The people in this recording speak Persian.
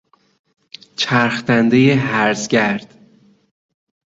چرخ دندهی هرزگرد